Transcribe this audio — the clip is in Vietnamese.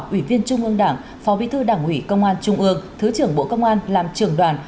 ủy viên trung ương đảng phó bí thư đảng ủy công an trung ương thứ trưởng bộ công an làm trưởng đoàn